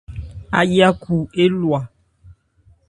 Áyákhu élwa.